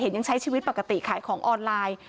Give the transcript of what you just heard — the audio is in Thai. ยังใช้ชีวิตปกติขายของออนไลน์